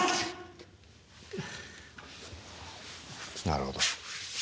なるほど。